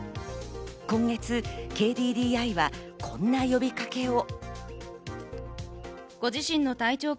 今月、ＫＤＤＩはこんな呼びかけを。